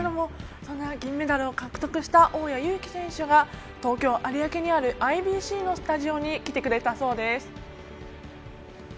そんな銀メダルを獲得した大矢勇気選手が東京・有明にあるＩＢＣのスタジオに来てくれたそうです。